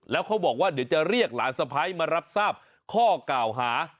แล้วเขาบอกว่าเดี๋ยวจะเรียกหลานสะพ้ายมารับทราบข้อกล่าวหา